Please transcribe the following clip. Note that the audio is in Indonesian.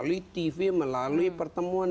kita bisa melakukan